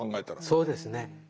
そうですね。